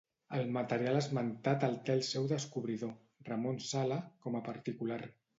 El material esmentat el té el seu descobridor, Ramon Sala, com a particular.